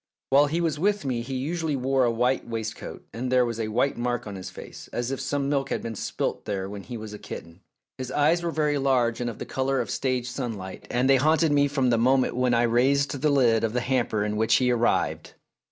While he was with me he usually wore a white waistcoat, and there was a white mark on his face, as if some 176 THE DAY BEFORE YESTERDAY milk had been spilled there when he was a kitten. His eyes were very large and of the colour of stage sunlight, and they haunted me from the moment when I raised the lid of the hamper in which he arrived.